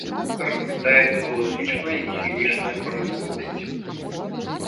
Развітая металургічная і хімічная прамысловасць.